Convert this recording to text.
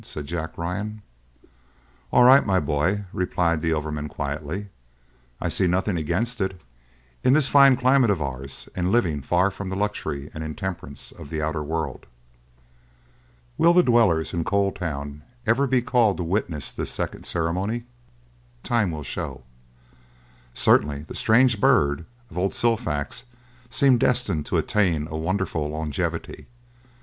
said Jack Ryan. "All right, my boy," replied the overman quietly, "I see nothing against it in this fine climate of ours, and living far from the luxury and intemperance of the outer world." Will the dwellers in Coal Town ever be called to witness this second ceremony? Time will show. Certainly the strange bird of old Silfax seemed destined to attain a wonderful longevity.